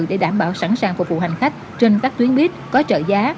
để đảm bảo sẵn sàng phục vụ hành khách trên các tuyến buýt có trợ giá